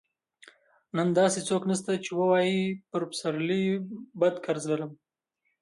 نن داسې څوک نشته چې ووايي پر پسرلي بد قرض لرم.